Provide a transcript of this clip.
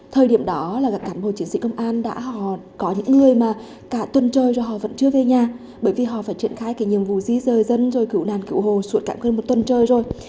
thời điểm đó là cảng hồ chiến sĩ công an đã có những người mà cả tuần trời rồi họ vẫn chưa về nhà bởi vì họ phải triển khai cái nhiệm vụ di dời dân rồi cứu nàn cứu hồ suốt cảng hồ một tuần trời rồi